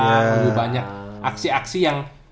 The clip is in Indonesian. menunggu banyak aksi aksi yang